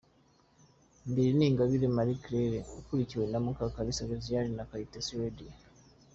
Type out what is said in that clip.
Imbere ni Ingabire Marie Claire akurikiwe na Mukakalisa Josiane na Kayitesi Lydie